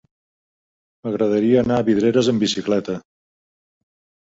M'agradaria anar a Vidreres amb bicicleta.